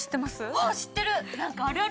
あっ知ってる！